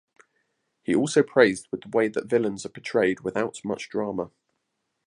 He also praised with the way the villains are portrayed without much drama.